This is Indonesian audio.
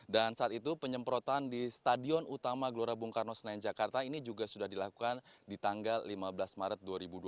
dan saat itu penyemprotan di stadion utama gelora bung karno senayan jakarta ini juga sudah dilakukan di tanggal lima belas maret dua ribu dua puluh